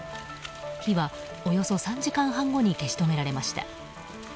火はおよそ３時間半後に消し止められました。